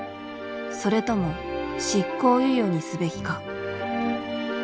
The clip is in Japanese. それとも執行猶予にすべきか。